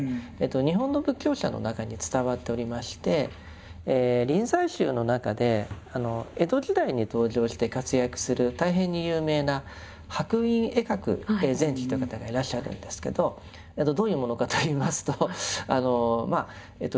日本の仏教者の中に伝わっておりまして臨済宗の中で江戸時代に登場して活躍する大変に有名な白隠慧鶴禅師という方がいらっしゃるんですけどどういうものかといいますとあのまあ教説としてはですね